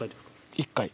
１回。